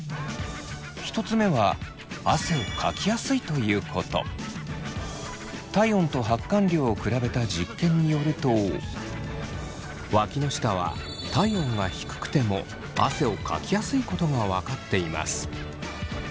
１つ目は体温と発汗量を比べた実験によるとわきの下は体温が低くても汗をかきやすいことが分かっています。